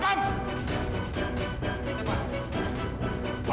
bawa dia keluar